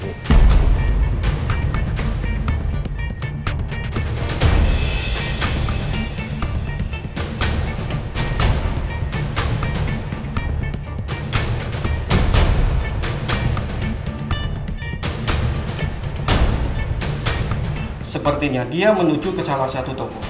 bener pak dilihat dari pergerakannya